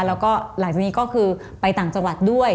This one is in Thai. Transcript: แล้วก็หลังจากนี้ก็คือไปต่างจังหวัดด้วย